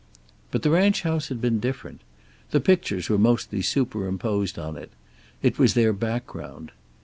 But the ranch house had been different. The pictures were mostly superimposed on it; it was their background.